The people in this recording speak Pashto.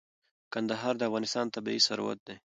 کندهار د افغانستان طبعي ثروت دی.